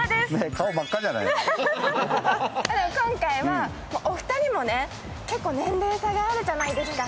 今回はお二人も結構年齢差があるじゃないですか。